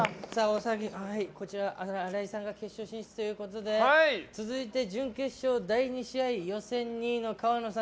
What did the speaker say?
荒井さんが決勝進出ということで続いて準決勝、第２試合予選２位の川野さん。